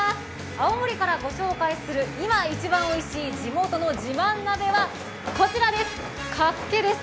青森から御紹介する今一番おいしい地元の自慢鍋はこちらです、かっけです。